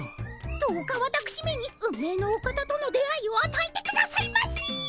どうかわたくしめに運命のお方との出会いをあたえてくださいませ！